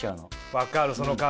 分かるその感じ。